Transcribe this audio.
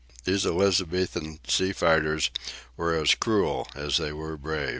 " These Elizabethan sea fighters were as cruel as they were brave.